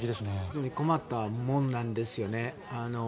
非常に困った問題なんですよね。